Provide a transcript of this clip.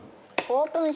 オープン！